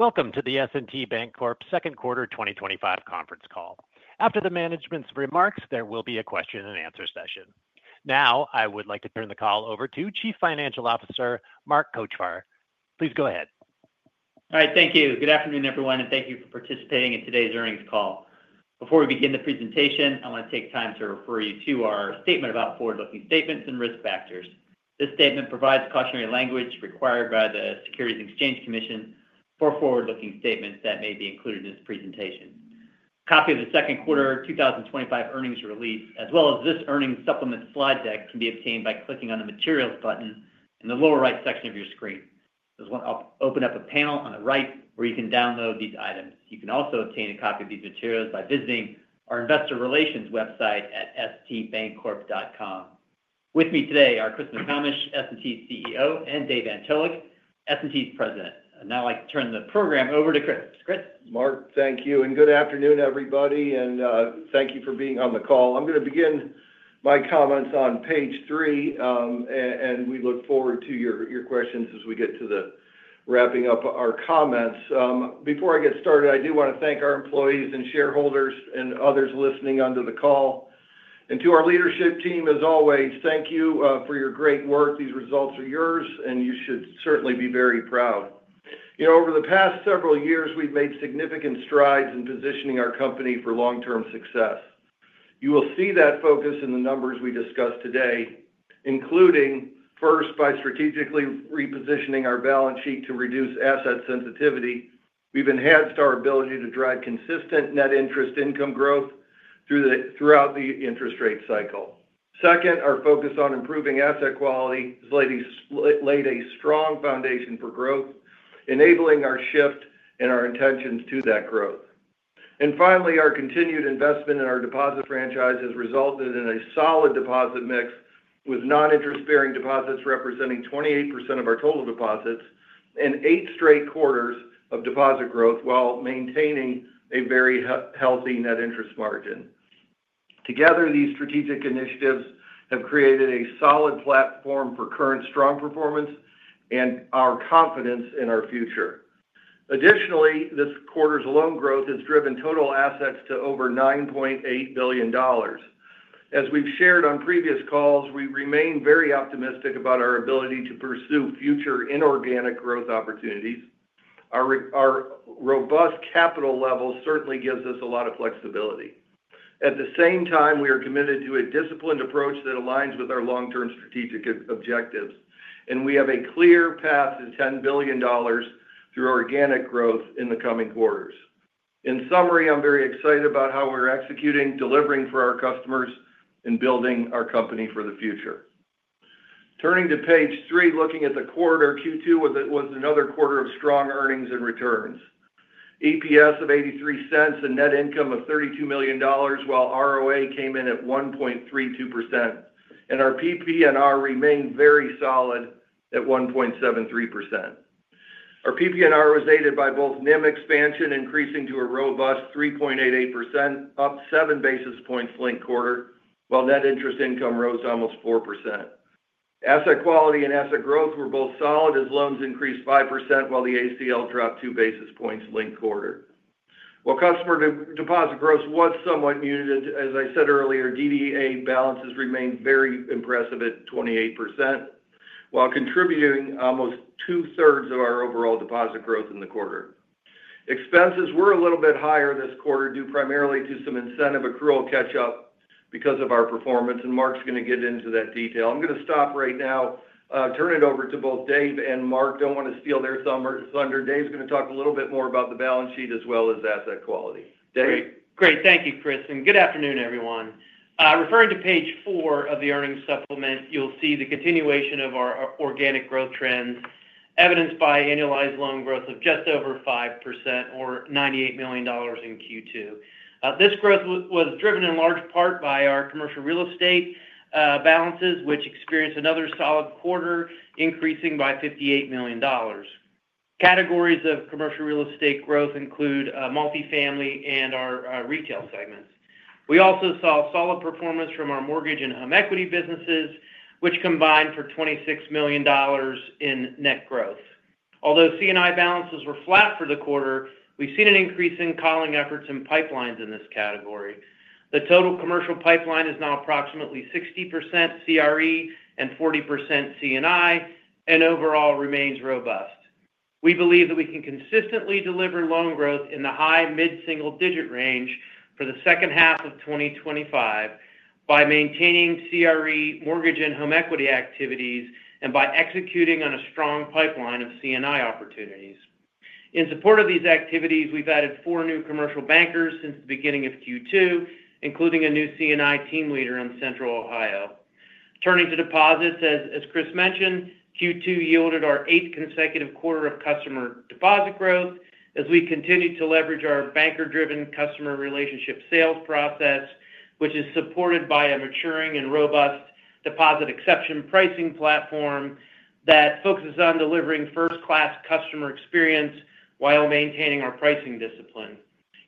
Welcome to the S&T Bancorp Second Quarter 2025 conference call. After the management's remarks, there will be a question and answer session. Now, I would like to turn the call over to Chief Financial Officer Mark Kochvar. Please go ahead. All right, thank you. Good afternoon, everyone, and thank you for participating in today's earnings call. Before we begin the presentation, I want to take time to refer you to our statement about forward-looking statements and risk factors. This statement provides cautionary language required by the Securities and Exchange Commission for forward-looking statements that may be included in this presentation. A copy of the Second Quarter 2025 earnings release, as well as this earnings supplement slide deck, can be obtained by clicking on the Materials button in the lower right section of your screen. This will open up a panel on the right where you can download these items. You can also obtain a copy of these materials by visiting our investor relations website at stbancorp.com. With me today are Chris McComish, S&T's CEO, and Dave Antolik, S&T's President. Now I'd like to turn the program over to Chris. Chris? Mark, thank you, and good afternoon, everybody, and thank you for being on the call. I'm going to begin my comments on page three, and we look forward to your questions as we get to wrapping up our comments. Before I get started, I do want to thank our employees and shareholders and others listening onto the call. To our leadership team, as always, thank you for your great work. These results are yours, and you should certainly be very proud. Over the past several years, we've made significant strides in positioning our company for long-term success. You will see that focus in the numbers we discussed today, including, first, by strategically repositioning our balance sheet to reduce asset sensitivity. We've enhanced our ability to drive consistent net interest income growth throughout the interest rate cycle. Second, our focus on improving asset quality has laid a strong foundation for growth, enabling our shift and our intentions to that growth. Finally, our continued investment in our deposit franchise has resulted in a solid deposit mix with non-interest-bearing deposits representing 28% of our total deposits and eight straight quarters of deposit growth, while maintaining a very healthy net interest margin. Together, these strategic initiatives have created a solid platform for current strong performance and our confidence in our future. Additionally, this quarter's loan growth has driven total assets to over $9.8 billion. As we've shared on previous calls, we remain very optimistic about our ability to pursue future inorganic growth opportunities. Our robust capital level certainly gives us a lot of flexibility. At the same time, we are committed to a disciplined approach that aligns with our long-term strategic objectives, and we have a clear path to $10 billion through organic growth in the coming quarters. In summary, I'm very excited about how we're executing, delivering for our customers, and building our company for the future. Turning to page three, looking at the quarter, Q2 was another quarter of strong earnings and returns. EPS of $0.83 and net income of $32 million, while ROA came in at 1.32%, and our PP&R remained very solid at 1.73%. Our PP&R was aided by both NIM expansion, increasing to a robust 3.88%, up seven basis points linked quarter, while net interest income rose almost 4%. Asset quality and asset growth were both solid as loans increased 5%, while the ACL dropped two basis points linked quarter. While customer deposit growth was somewhat muted, as I said earlier, DDA balances remained very impressive at 28%, while contributing almost two-thirds of our overall deposit growth in the quarter. Expenses were a little bit higher this quarter, due primarily to some incentive accrual catch-up because of our performance, and Mark's going to get into that detail. I'm going to stop right now, turn it over to both Dave and Mark. Don't want to steal their thunder. Dave's going to talk a little bit more about the balance sheet as well as asset quality. Dave? Great, thank you, Chris, and good afternoon, everyone. Referring to page four of the earnings supplement, you'll see the continuation of our organic growth trends, evidenced by annualized loan growth of just over 5%, or $98 million in Q2. This growth was driven in large part by our commercial real estate balances, which experienced another solid quarter, increasing by $58 million. Categories of commercial real estate growth include multifamily and our retail segments. We also saw solid performance from our mortgage and home equity businesses, which combined for $26 million in net growth. Although C&I balances were flat for the quarter, we've seen an increase in calling efforts and pipelines in this category. The total commercial pipeline is now approximately 60% commercial real estate and 40% C&I, and overall remains robust. We believe that we can consistently deliver loan growth in the high mid-single-digit range for the second half of 2025 by maintaining commercial real estate, mortgage, and home equity activities and by executing on a strong pipeline of C&I opportunities. In support of these activities, we've added four new commercial bankers since the beginning of Q2, including a new C&I team leader in Central Ohio. Turning to deposits, as Chris mentioned, Q2 yielded our eighth consecutive quarter of customer deposit growth as we continued to leverage our banker-driven customer relationship sales process, which is supported by a maturing and robust deposit exception pricing platform that focuses on delivering first-class customer experience while maintaining our pricing discipline.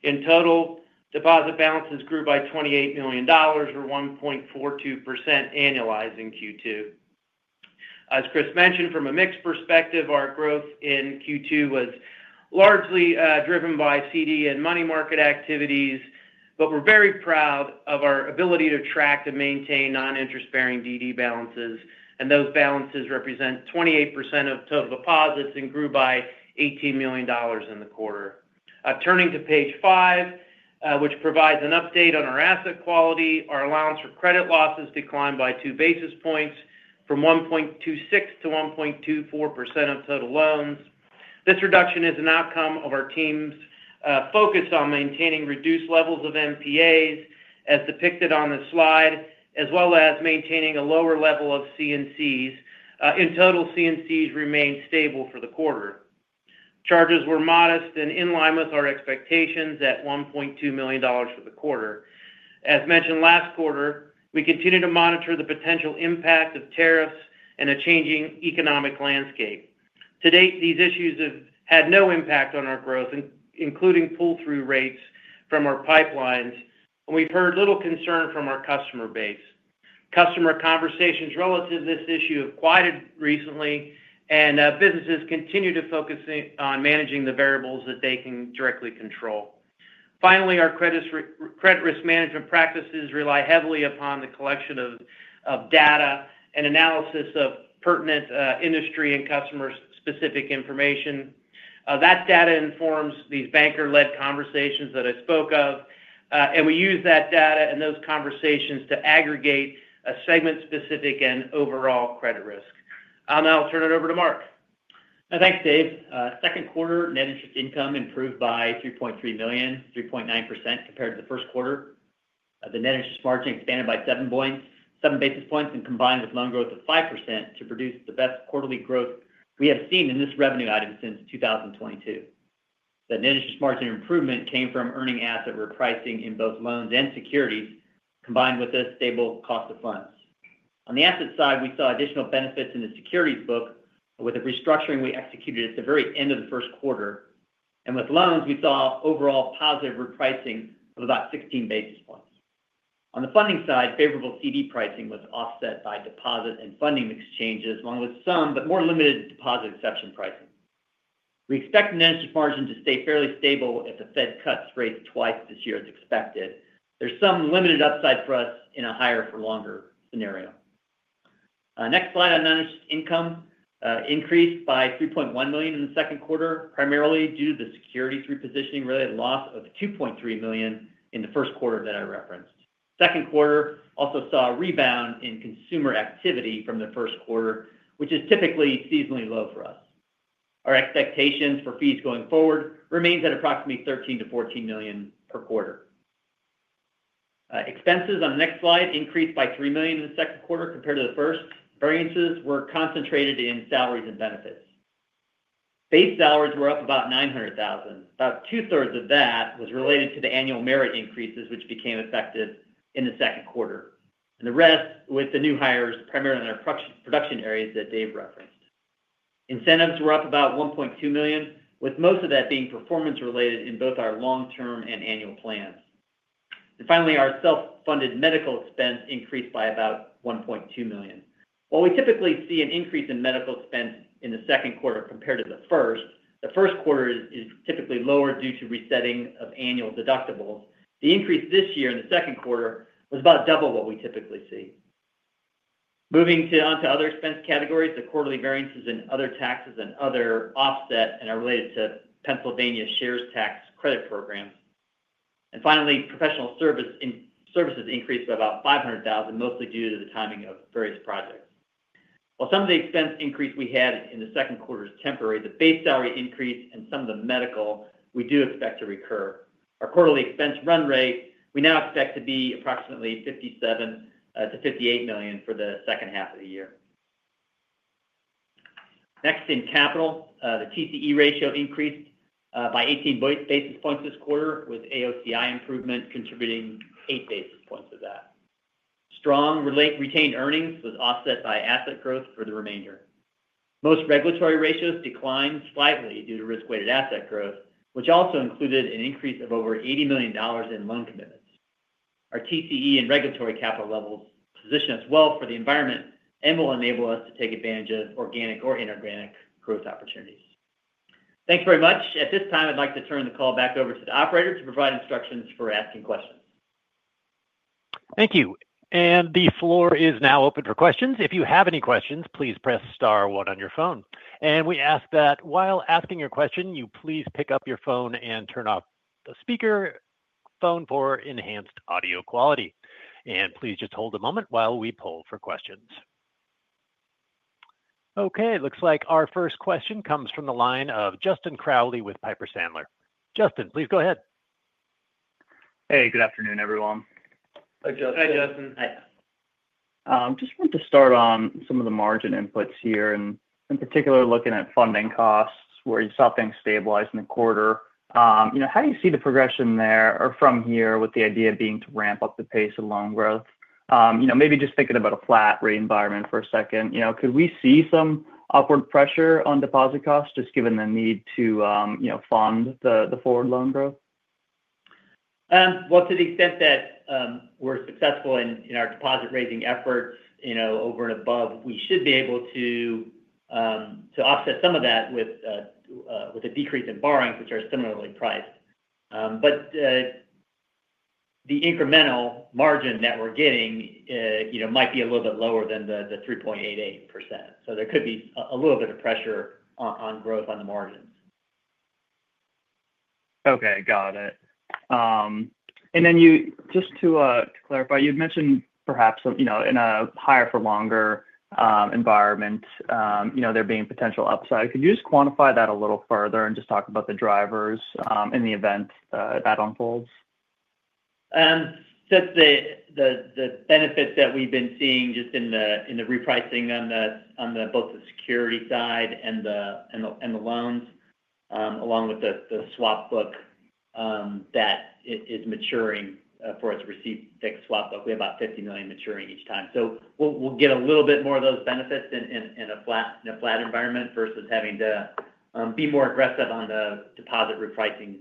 In total, deposit balances grew by $28 million, or 1.42% annualized in Q2. As Chris mentioned, from a mix perspective, our growth in Q2 was largely driven by CD and money market activities, but we're very proud of our ability to track and maintain non-interest-bearing demand deposit balances, and those balances represent 28% of total deposits and grew by $18 million in the quarter. Turning to page five, which provides an update on our asset quality, our allowance for credit losses declined by two basis points from 1.26% to 1.24% of total loans. This reduction is an outcome of our teams focused on maintaining reduced levels of MPAs, as depicted on the slide, as well as maintaining a lower level of C&Cs. In total, C&Cs remained stable for the quarter. Charges were modest and in line with our expectations at $1.2 million for the quarter. As mentioned last quarter, we continue to monitor the potential impact of tariffs and a changing economic landscape. To date, these issues have had no impact on our growth, including pull-through rates from our pipelines, and we've heard little concern from our customer base. Customer conversations relative to this issue have quieted recently, and businesses continue to focus on managing the variables that they can directly control. Finally, our credit risk management practices rely heavily upon the collection of data and analysis of pertinent industry and customer-specific information. That data informs these banker-led conversations that I spoke of, and we use that data and those conversations to aggregate a segment-specific and overall credit risk. I'll now turn it over to Mark. Thanks, Dave. Second quarter net interest income improved by $3.3 million, 3.9% compared to the first quarter. The net interest margin expanded by seven basis points and combined with loan growth of 5% to produce the best quarterly growth we have seen in this revenue item since 2022. The net interest margin improvement came from earning asset repricing in both loans and securities, combined with a stable cost of funds. On the asset side, we saw additional benefits in the securities book, with a restructuring we executed at the very end of the first quarter, and with loans, we saw overall positive repricing of about 16 basis points. On the funding side, favorable CD pricing was offset by deposit and funding exchanges, along with some, but more limited deposit exception pricing. We expect the net interest margin to stay fairly stable if the Fed cuts rates twice this year as expected. There's some limited upside for us in a higher for longer scenario. Next slide on net interest income increased by $3.1 million in the second quarter, primarily due to the securities repositioning-related loss of $2.3 million in the first quarter that I referenced. The second quarter also saw a rebound in consumer activity from the first quarter, which is typically seasonally low for us. Our expectations for fees going forward remain at approximately $13 million to $14 million per quarter. Expenses on the next slide increased by $3 million in the second quarter compared to the first. Variances were concentrated in salaries and benefits. Base salaries were up about $900,000. About two-thirds of that was related to the annual merit increases, which became effective in the second quarter, and the rest with the new hires, primarily in our production areas that Dave referenced. Incentives were up about $1.2 million, with most of that being performance-related in both our long-term and annual plans. Finally, our self-funded medical expense increased by about $1.2 million. While we typically see an increase in medical expense in the second quarter compared to the first, the first quarter is typically lower due to resetting of annual deductibles. The increase this year in the second quarter was about double what we typically see. Moving on to other expense categories, the quarterly variances in other taxes and other offset are related to Pennsylvania shares tax credit programs. Professional services increased by about $500,000, mostly due to the timing of various projects. While some of the expense increase we had in the second quarter is temporary, the base salary increase and some of the medical we do expect to recur. Our quarterly expense run rate, we now expect to be approximately $57 million to $58 million for the second half of the year. Next, in capital, the tangible common equity ratio increased by 18 basis points this quarter, with AOCI improvement contributing eight basis points of that. Strong retained earnings were offset by asset growth for the remainder. Most regulatory ratios declined slightly due to risk-weighted asset growth, which also included an increase of over $80 million in loan commitments. Our tangible common equity and regulatory capital levels position us well for the environment and will enable us to take advantage of organic or inorganic growth opportunities. Thanks very much. At this time, I'd like to turn the call back over to the operator to provide instructions for asking questions. Thank you. The floor is now open for questions. If you have any questions, please press star one on your phone. We ask that while asking your question, you please pick up your phone and turn off the speaker phone for enhanced audio quality. Please just hold a moment while we poll for questions. It looks like our first question comes from the line of Justin Crowley with Piper Sandler. Justin, please go ahead. Hey, good afternoon, everyone. Hi, Justin. Hi, Justin. I just wanted to start on some of the margin inputs here, in particular looking at funding costs where you saw things stabilize in the quarter. How do you see the progression there from here with the idea being to ramp up the pace of loan growth? Maybe just thinking about a flat rate environment for a second, could we see some upward pressure on deposit costs just given the need to fund the forward loan growth? To the extent that we're successful in our deposit raising effort, you know, over and above, we should be able to offset some of that with a decrease in borrowings, which are similarly priced. The incremental margin that we're getting, you know, might be a little bit lower than the 3.88%. There could be a little bit of pressure on growth on the margins. Okay, got it. Just to clarify, you'd mentioned perhaps some, you know, in a higher for longer environment, you know, there being potential upside. Could you just quantify that a little further and just talk about the drivers in the event that unfolds? Just the benefits that we've been seeing just in the repricing on both the security side and the loans, along with the swap book, that it is maturing for its receipt-based swap. We have about $50 million maturing each time. We'll get a little bit more of those benefits in a flat environment versus having to be more aggressive on the deposit repricing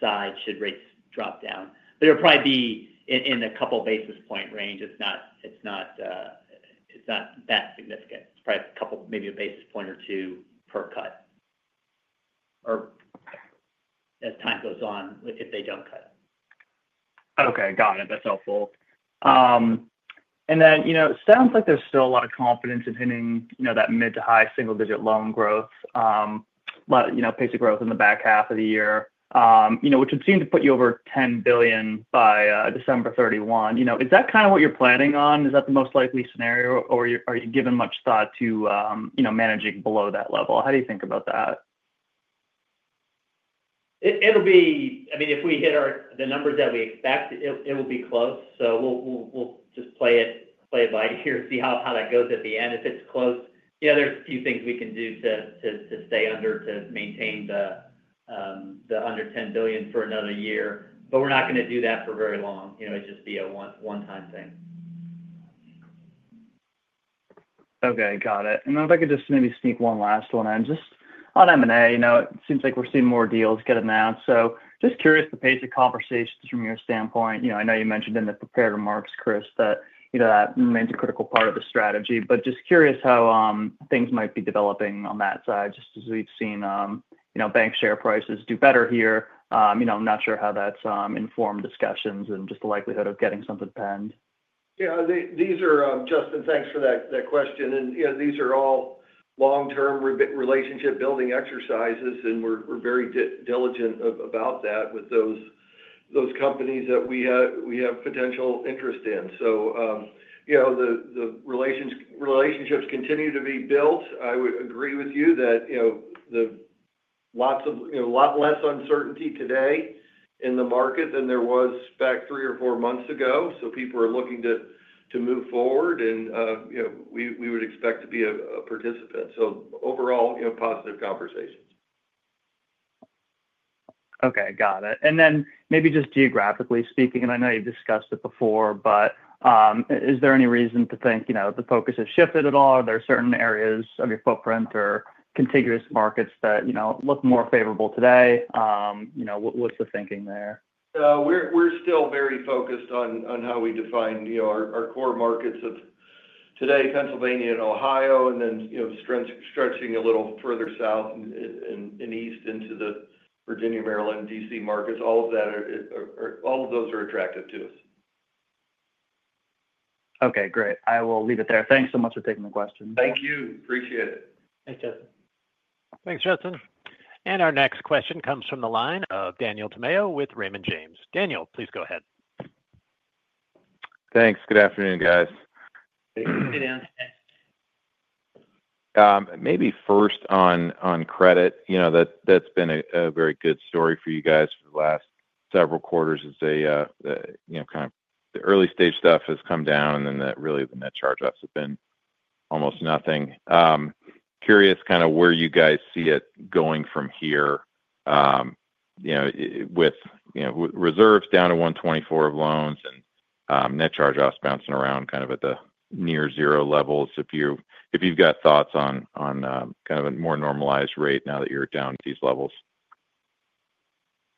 side should rates drop down. It'll probably be in a couple basis point range. It's not that significant. It's probably a couple, maybe a basis point or two per cut or as time goes on if they don't cut. Okay, got it. That's helpful. It sounds like there's still a lot of confidence in hitting that mid to high single-digit loan growth, pace of growth in the back half of the year, which would seem to put you over $10 billion by December 31. Is that kind of what you're planning on? Is that the most likely scenario, or are you giving much thought to managing below that level? How do you think about that? It'll be, I mean, if we hit the numbers that we expect, it will be close. We'll just play it by ear and see how that goes at the end. If it's close, you know, there's a few things we can do to stay under to maintain the under $10 billion for another year, but we're not going to do that for very long. It'd just be a one-time thing. Okay, got it. If I could just maybe sneak one last one in, just on M&A, it seems like we're seeing more deals get announced. Just curious the pace of conversations from your standpoint. I know you mentioned in the prepared remarks, Chris, that you know that remains a critical part of the strategy, but just curious how things might be developing on that side, just as we've seen bank share prices do better here. I'm not sure how that's informed discussions and just the likelihood of getting something penned. Yeah, Justin, thanks for that question. These are all long-term relationship-building exercises, and we're very diligent about that with those companies that we have potential interest in. The relationships continue to be built. I would agree with you that there is a lot less uncertainty today in the market than there was back three or four months ago. People are looking to move forward, and we would expect to be a participant. Overall, positive conversations. Okay, got it. Maybe just geographically speaking, I know you've discussed it before, but is there any reason to think the focus has shifted at all? Are there certain areas of your footprint or contiguous markets that look more favorable today? What's the thinking there? We're still very focused on how we define, you know, our core markets of today, Pennsylvania and Ohio, and then, you know, stretching a little further south and east into the Virginia, Maryland, D.C. markets. All of those are attractive to us. Okay, great. I will leave it there. Thanks so much for taking the question. Thank you. Appreciate it. Thanks, Justin. Thanks, Justin. Our next question comes from the line of Daniel Tamayo with Raymond James. Daniel, please go ahead. Thanks. Good afternoon, guys. Hey, Dan. Maybe first on credit, that's been a very good story for you guys for the last several quarters. It's kind of the early stage stuff has come down, and then really the net charge-offs have been almost nothing. Curious where you guys see it going from here, with reserves down to $1.24 of loans and net charge-offs bouncing around at the near zero levels. If you've got thoughts on a more normalized rate now that you're down to these levels.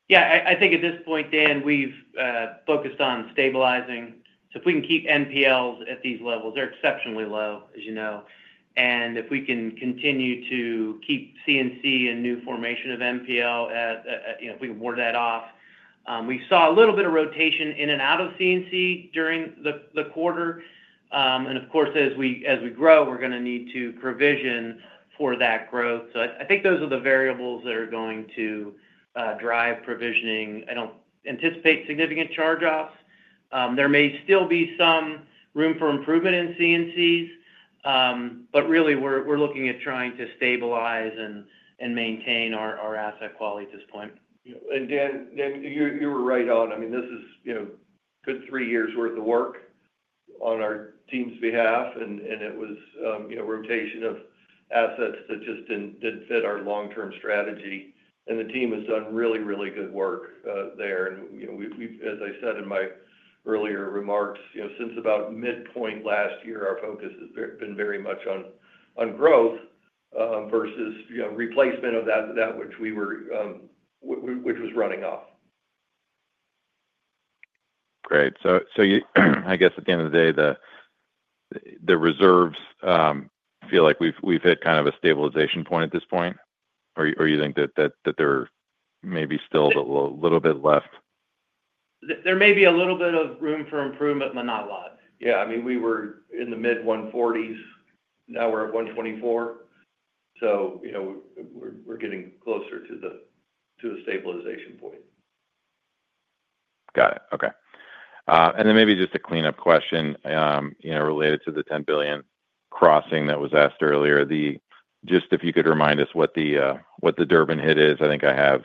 Yeah, I think at this point, Dan, we've focused on stabilizing. If we can keep NPLs at these levels, they're exceptionally low, as you know. If we can continue to keep C&C and new formation of NPL, if we can ward that off. We saw a little bit of rotation in and out of C&C during the quarter. Of course, as we grow, we're going to need to provision for that growth. I think those are the variables that are going to drive provisioning. I don't anticipate significant charge-offs. There may still be some room for improvement in C&Cs, but really we're looking at trying to stabilize and maintain our asset quality at this point. Dan, you were right on. This is a good three years' worth of work on our team's behalf, and it was rotation of assets that just didn't fit our long-term strategy. The team has done really, really good work there. As I said in my earlier remarks, since about midpoint last year, our focus has been very much on growth versus replacement of that which was running off. Great. At the end of the day, the reserves feel like we've hit kind of a stabilization point at this point. Do you think that there may be still a little bit left? There may be a little bit of room for improvement, but not a lot. I mean, we were in the mid-140s. Now we're at 124. We're getting closer to a stabilization point. Got it. Okay. Maybe just a cleanup question related to the $10 billion crossing that was asked earlier. Just if you could remind us what the Durbin hit is. I think I have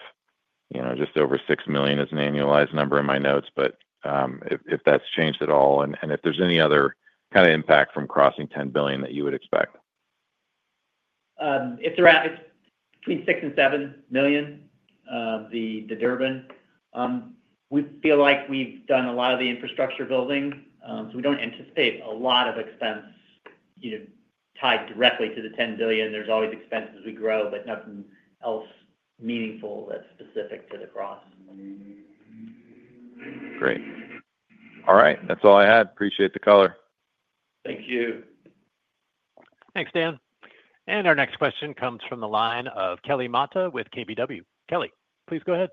just over $6 million as an annualized number in my notes, but if that's changed at all. If there's any other kind of impact from crossing $10 billion that you would expect. It's around, it's between $6 million and $7 million, the Durbin. We feel like we've done a lot of the infrastructure building, so we don't anticipate a lot of expense tied directly to the $10 billion. There's always expenses as we grow, but nothing else meaningful that's specific to the cross. Great. All right. That's all I had. Appreciate the color. Thank you. Thanks, Dan. Our next question comes from the line of Kelly Motta with KBW. Kelly, please go ahead.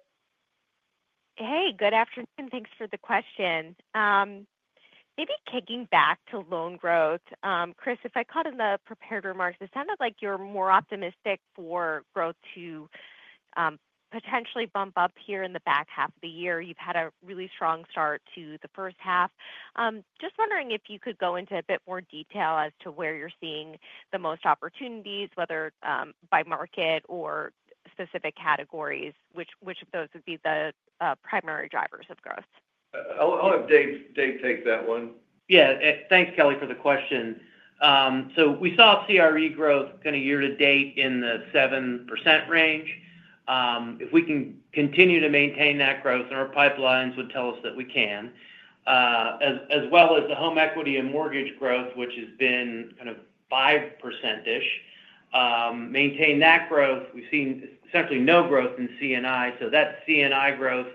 Hey, good afternoon. Thanks for the question. Maybe kicking back to loan growth, Chris, if I caught in the prepared remarks, it sounded like you're more optimistic for growth to potentially bump up here in the back half of the year. You've had a really strong start to the first half. Just wondering if you could go into a bit more detail as to where you're seeing the most opportunities, whether by market or specific categories, which of those would be the primary drivers of growth? I'll let Dave take that one. Yeah, thanks, Kelly, for the question. We saw commercial real estate growth kind of year-to-date in the 7% range. If we can continue to maintain that growth, our pipelines would tell us that we can, as well as the home equity and mortgage growth, which has been kind of 5%-ish, maintain that growth. We've seen essentially no growth in C&I. That C&I growth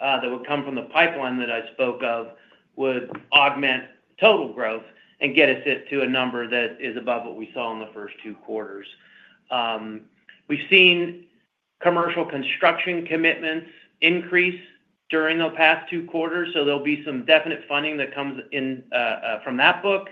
that would come from the pipeline that I spoke of would augment total growth and get us to a number that is above what we saw in the first two quarters. We've seen commercial construction commitments increase during the past two quarters. There will be some definite funding that comes in from that book.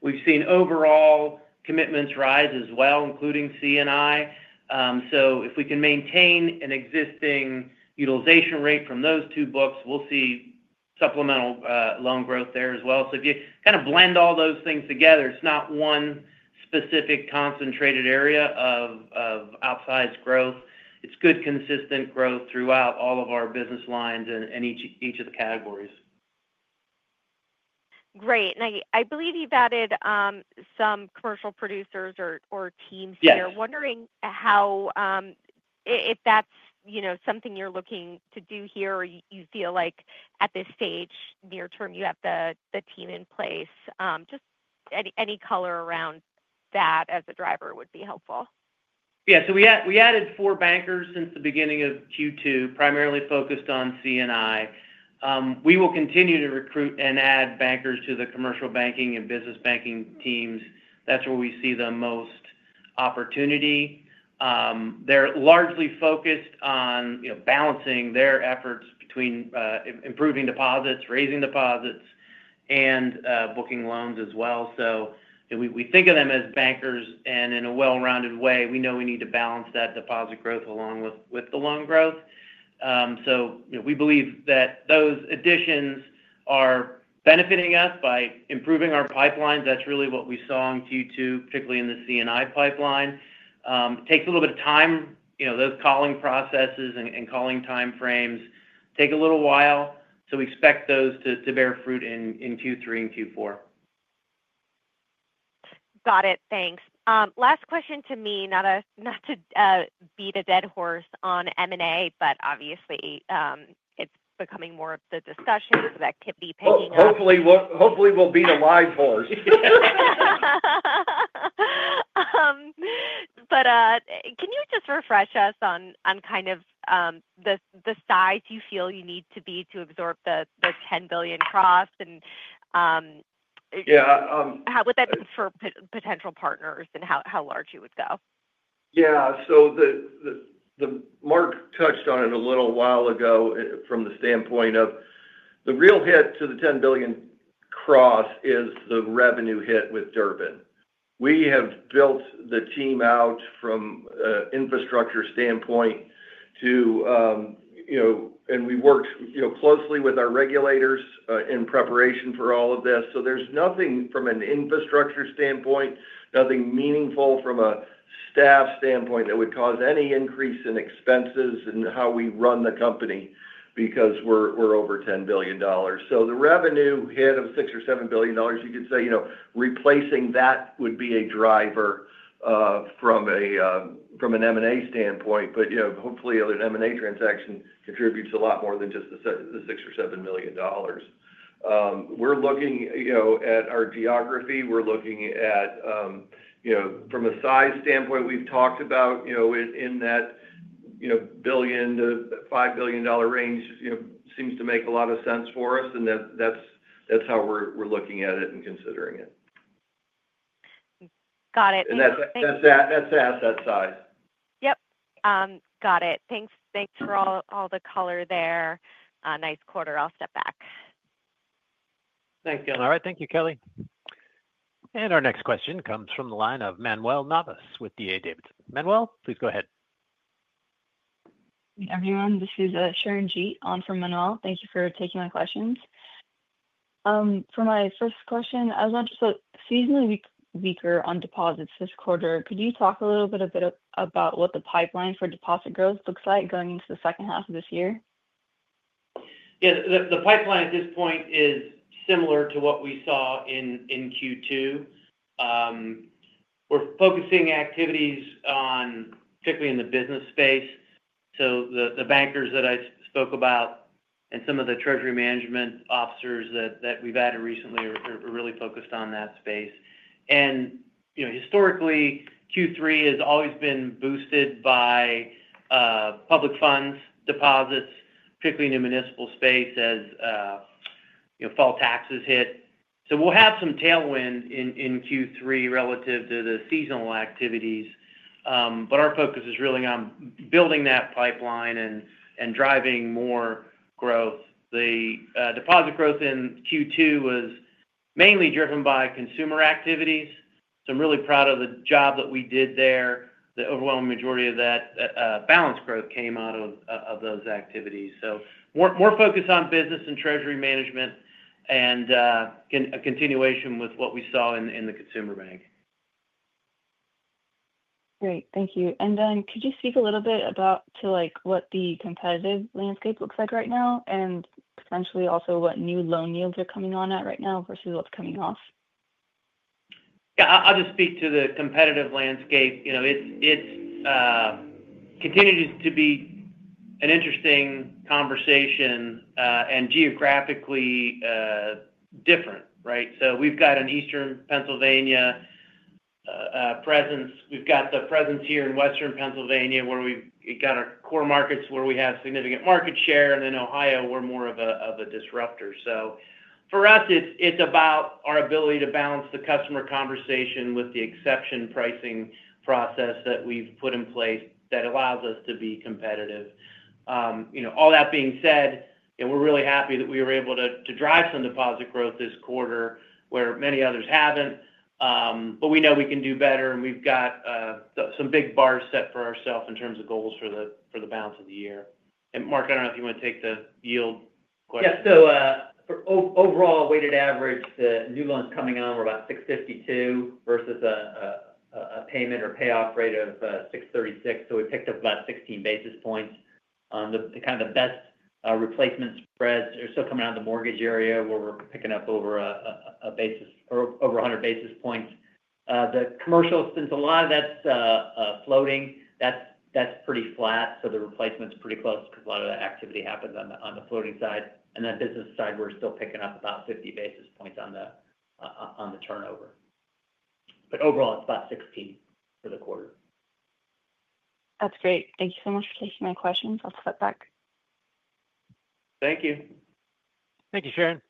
We've seen overall commitments rise as well, including C&I. If we can maintain an existing utilization rate from those two books, we'll see supplemental loan growth there as well. If you kind of blend all those things together, it's not one specific concentrated area of outsized growth. It's good, consistent growth throughout all of our business lines in each of the categories. Great. I believe you've added some commercial producers or teams here. Wondering how, if that's something you're looking to do here, or you feel like, at this stage, near term, you have the team in place. Just any color around that as a driver would be helpful. Yeah, so we added four bankers since the beginning of Q2, primarily focused on C&I. We will continue to recruit and add bankers to the commercial banking and business banking teams. That's where we see the most opportunity. They're largely focused on balancing their efforts between improving deposits, raising deposits, and booking loans as well. We think of them as bankers, and in a well-rounded way, we know we need to balance that deposit growth along with the loan growth. We believe that those additions are benefiting us by improving our pipelines. That's really what we saw in Q2, particularly in the C&I pipeline. It takes a little bit of time. Those calling processes and calling timeframes take a little while. We expect those to bear fruit in Q3 and Q4. Got it. Thanks. Last question to me, not to beat a dead horse on M&A, but obviously, it's becoming more of the discussion, so that could be picking up. Hopefully, we'll beat a dead horse. Can you just refresh us on kind of the size you feel you need to be to absorb the $10 billion cross? How would that be for potential partners, and how large you would go? Yeah, Mark touched on it a little while ago from the standpoint of the real hit to the $10 billion cross is the revenue hit with Durbin. We have built the team out from an infrastructure standpoint, and we worked closely with our regulators in preparation for all of this. There's nothing from an infrastructure standpoint, nothing meaningful from a staff standpoint that would cause any increase in expenses in how we run the company because we're over $10 billion. The revenue hit of $6 million or $7 million, you could say, replacing that would be a driver from an M&A standpoint. Hopefully, an M&A transaction contributes a lot more than just the $6 million or $7 million. We're looking at our geography. We're looking at, from a size standpoint, we've talked about in that $1 billion to $5 billion range, which seems to make a lot of sense for us. That's how we're looking at it and considering it. Got it. That's at that size. Yep. Got it. Thanks. Thanks for all the color there. Nice quarter. I'll step back. Thanks, Dan. Thank you, Kelly. Our next question comes from the line of Manuel Navas with D.A. Davidson. Manuel, please go ahead. Hey, everyone. This is Sharon Jeet on for Manuel. Thank you for taking my questions. For my first question, I was interested in seasonally weaker on deposits this quarter. Could you talk a little bit about what the pipeline for deposit growth looks like going into the second half of this year? Yeah, the pipeline at this point is similar to what we saw in Q2. We're focusing activities on, particularly in the business space. The bankers that I spoke about and some of the treasury management officers that we've added recently are really focused on that space. Historically, Q3 has always been boosted by public funds deposits, particularly in the municipal space as fall taxes hit. We'll have some tailwind in Q3 relative to the seasonal activities. Our focus is really on building that pipeline and driving more growth. The deposit growth in Q2 was mainly driven by consumer activities. I'm really proud of the job that we did there. The overwhelming majority of that balance growth came out of those activities. More focus on business and treasury management, and a continuation with what we saw in the consumer bank. Great. Thank you. Could you speak a little bit about what the competitive landscape looks like right now and potentially also what new loan yields are coming on at right now versus what's coming off? Yeah, I'll just speak to the competitive landscape. You know, it's continued to be an interesting conversation and geographically different, right? We've got an Eastern Pennsylvania presence. We've got the presence here in Western Pennsylvania, where we've got our core markets, where we have significant market share, and then Ohio, we're more of a disruptor. For us, it's about our ability to balance the customer conversation with the exception pricing process that we've put in place, that allows us to be competitive. All that being said, we're really happy that we were able to drive some deposit growth this quarter, where many others haven't. We know we can do better, and we've got some big bars set for ourselves in terms of goals for the balance of the year. Mark, I don't know if you want to take the yield question. Yeah, for overall weighted average, the new loans coming on were about $652 versus a payment or payoff rate of $636. We picked up about 16 basis points on the kind of the best replacement spreads. They're still coming out of the mortgage area, where we're picking up over a basis or over 100 basis points. The commercials, since a lot of that's floating, that's pretty flat. The replacement's pretty close because a lot of the activity happens on the floating side. In that business side, we're still picking up about 50 basis points on the turnover. Overall, it's about 16 for the quarter. That's great. Thank you so much for taking my questions. I'll step back. Thank you. Thank you, Sharon.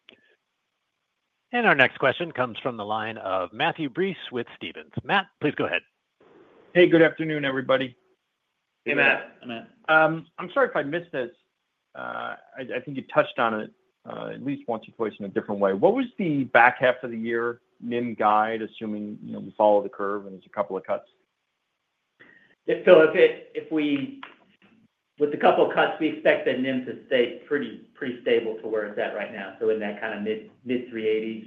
Our next question comes from the line of Matthew Breese with Stephens. Matt, please go ahead. Hey, good afternoon, everybody. Hey, Matt. I'm sorry if I missed this. I think you touched on it at least once or twice in a different way. What was the back half of the year NIM guide, assuming you know we follow the curve and there's a couple of cuts? Yeah, Phil, if we, with a couple of cuts, we expect that NIM to stay pretty stable to where it's at right now. In that kind of mid -380s,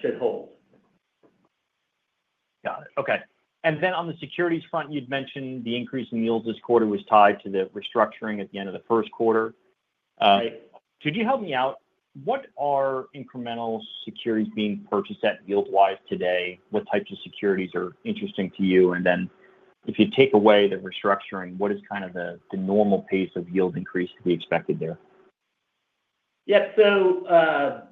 should hold. Got it. Okay. On the securities front, you'd mentioned the increase in yields this quarter was tied to the restructuring at the end of the first quarter. Could you help me out? What are incremental securities being purchased at yield-wise today? What types of securities are interesting to you? If you take away the restructuring, what is kind of the normal pace of yield increase to be expected there? Yeah, so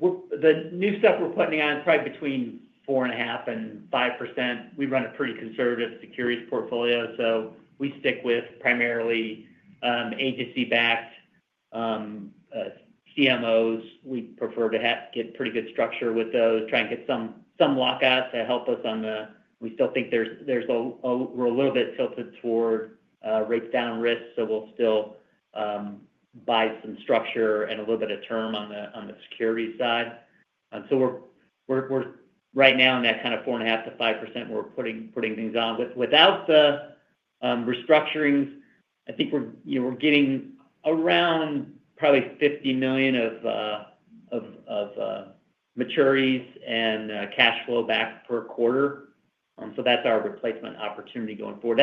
the new stuff we're putting in probably between 4.5% and 5%. We run a pretty conservative securities portfolio, so we stick with primarily agency-backed CMOs. We prefer to get pretty good structure with those, try and get some lockouts that help us. We still think there's a roller that's tilted toward rates down risk. We'll still buy some structure and a little bit of term on the security side. We're right now in that kind of 4.5% to 5% we're putting things on. Without the restructurings, I think we're getting around probably $50 million of maturities and cash flow back per quarter. That's our replacement opportunity going forward.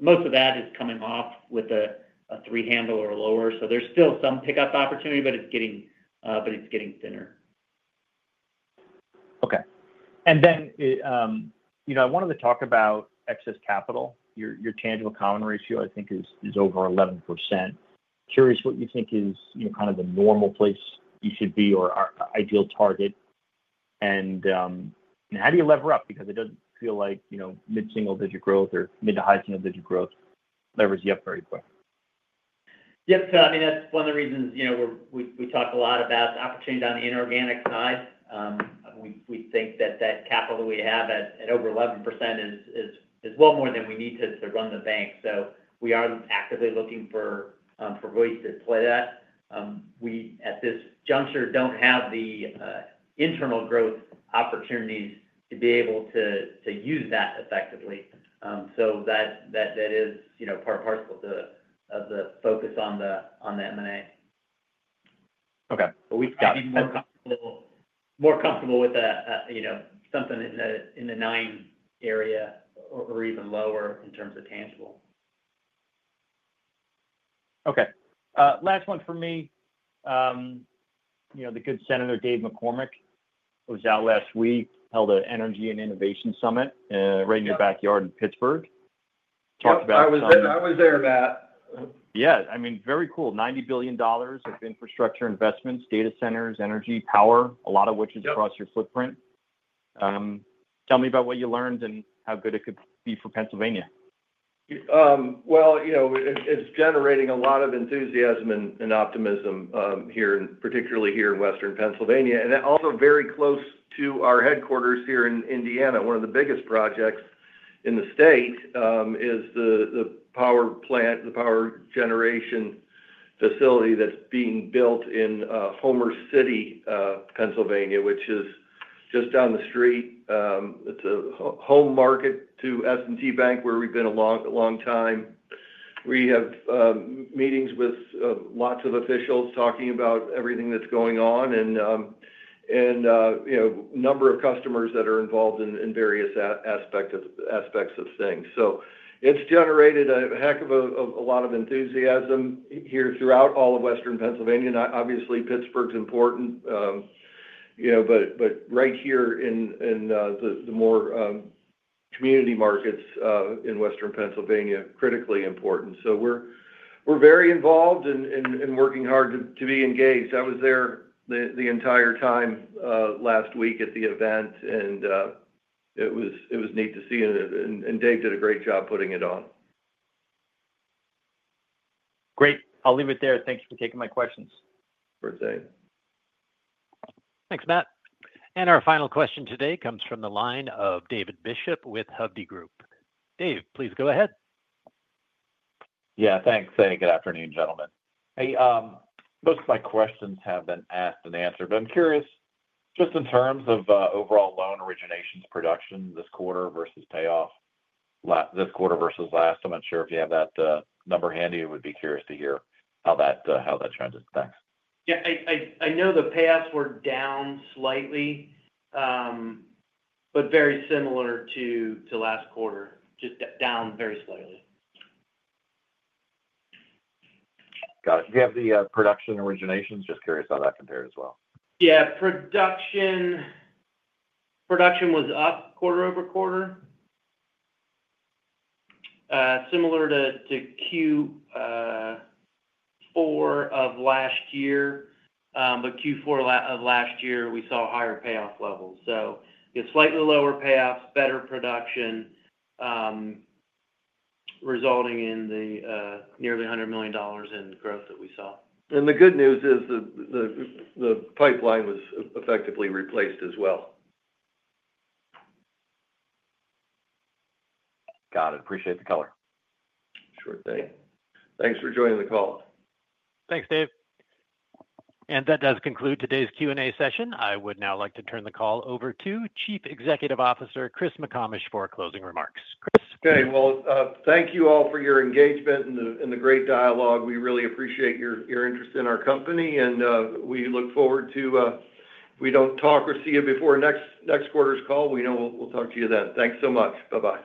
Most of that is coming off with a three-handle or lower. There's still some pickup opportunity, but it's getting thinner. Okay. I wanted to talk about excess capital. Your tangible common equity ratio, I think, is over 11%. Curious what you think is kind of the normal place you should be, or our ideal target. How do you lever up? It doesn't feel like mid-single-digit growth or mid-to-high single-digit growth levers you up very quick. That's one of the reasons we talk a lot about the opportunity on the inorganic side. We think that capital that we have at over 11% is well more than we need to run the bank. We are actively looking for ways to play that. At this juncture, we don't have the internal growth opportunities to be able to use that effectively. That is part and parcel of the focus on the M&A. Okay. We'd be more comfortable with that, you know, something in the nine area or even lower in terms of tangible. Okay. Last one from me. You know, the good Senator Dave McCormick, who was out last week, held an energy and innovation summit right in your backyard in Pittsburgh. Talked about. I was there, Matt. Yeah, I mean, very cool. $90 billion of infrastructure investments, data centers, energy, power, a lot of which is across your footprint. Tell me about what you learned and how good it could be for Pennsylvania. It's generating a lot of enthusiasm and optimism here, particularly here in Western Pennsylvania and also very close to our headquarters here in Indiana. One of the biggest projects in the state is the power plant, the power generation facility that's being built in Homer City, Pennsylvania, which is just down the street. It's a home market to S&T Bank, where we've been a long time. We have meetings with lots of officials talking about everything that's going on, and a number of customers that are involved in various aspects of things. It's generated a heck of a lot of enthusiasm here throughout all of Western Pennsylvania. Obviously, Pittsburgh's important, but right here in the more community markets in Western Pennsylvania, critically important. We're very involved in working hard to be engaged. I was there the entire time last week at the event, and it was neat to see it. Dave did a great job putting it on. Great. I'll leave it there. Thank you for taking my questions. For the day. Thanks, Matt. Our final question today comes from the line of David Bishop, with Hovde Group. Dave, please go ahead. Yeah, thanks. Hey, good afternoon, gentlemen. Most of my questions have been asked and answered, but I'm curious, just in terms of overall loan originations production this quarter versus payoff this quarter versus last, I'm not sure if you have that number handy. I would be curious to hear how that transits. Thanks. Yeah, I know the payoffs were down slightly, but very similar to last quarter, just down very slightly. Got it. Do you have the production originations? Just curious how that compares as well. Yeah, production was up quarter over quarter, similar to Q4 of last year. Q4 of last year, we saw higher payoff levels. It's slightly lower payoffs, better production, resulting in the nearly $100 million in growth that we saw. The good news is the pipeline was effectively replaced as well. Got it. Appreciate the color. Sure thing. Thanks for joining the call. Thanks, Dave. That does conclude today's Q&A session. I would now like to turn the call over to Chief Executive Officer Chris McComish for closing remarks. Chris. Thank you all for your engagement and the great dialogue. We really appreciate your interest in our company, and we look forward to. If we don't talk or see you before next quarter's call, we know we'll talk to you then. Thanks so much. Bye-bye.